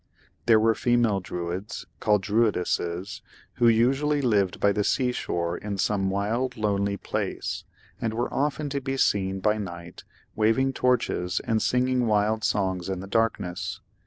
There were female Druids, called Druidesses, who usually lived by the sea shore in some wild, lonely place, and were often to be seen by night waving torches and singing wild songs in the darkness.